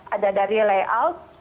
ada dari layout